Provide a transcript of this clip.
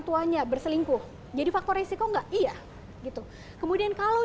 tuanya berselingkuh jadi faktor resiko enggak iya gitu kemudian kalau